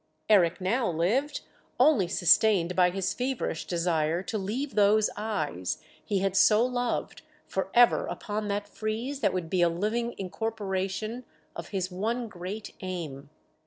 Eric now lived only sustained by his feverish desire to leave those eyes, he had so loved, for ever upon that frieze that would be a living incorporation of his one great aim.